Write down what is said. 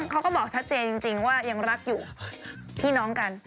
เขาก็บอกชัดเจนจริงว่ายังรักอยู่พี่น้องกัน